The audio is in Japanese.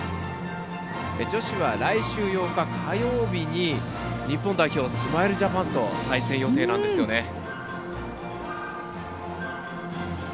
女子は来週８日、火曜日に日本代表、スマイルジャパンと対戦予定なんですよね。